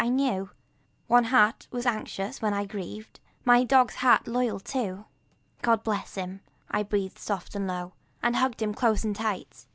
I knew One heart was anxious when I grieved My dog's heart, loyal, true. "God bless him," breathed I soft and low, And hugged him close and tight.